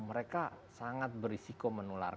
mereka sangat berisiko menular